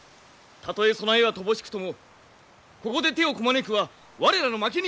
たとえ備えは乏しくともここで手をこまねくは我らの負けにござる。